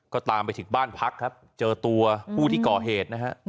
ก็ตามไปถึงบ้านพักครับเจอตัวผู้ที่ก่อเหตุนะฮะ